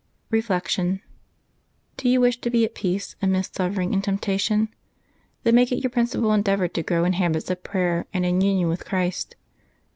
Reflection. — ^Do you wish to be at peace amidst suffer ing and temptation? Then make it your principal en deavor to grow in habits of prayer and in union with Christ.